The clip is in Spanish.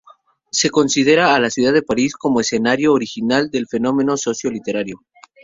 Se considera a la ciudad de París como escenario original del fenómeno socio-literario.